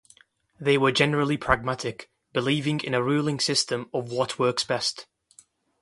They were generally pragmatic, believing in a ruling system of what works best.